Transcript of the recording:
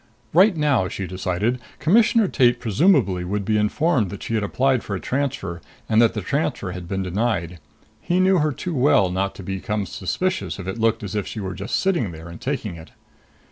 Right now, she decided. Commissioner Tate presumably would be informed that she had applied for a transfer and that the transfer had been denied. He knew her too well not to become suspicious if it looked as if she were just sitting there and taking it.